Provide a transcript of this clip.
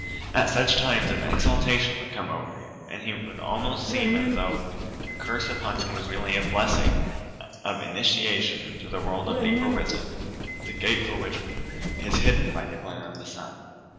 At such times an exaltation would come over him, and it would almost seem as though the curse upon him was really a blessing of initiation into the world of a deeper wisdom, the gate of which is hidden by the glare of the sun.